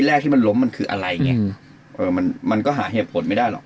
แรกที่มันล้มมันคืออะไรไงเออมันมันก็หาเหตุผลไม่ได้หรอก